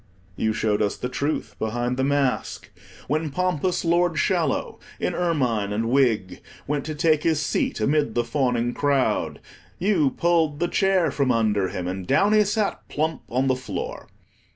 You showed us the truth behind the mask. When pompous Lord Shallow, in ermine and wig, went to take his seat amid the fawning crowd, you pulled the chair from under him, and down he sat plump on the floor.